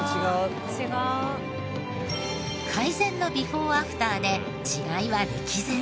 改善のビフォーアフターで違いは歴然。